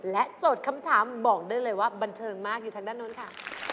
โจทย์คำถามบอกได้เลยว่าบันเทิงมากอยู่ทางด้านนู้นค่ะ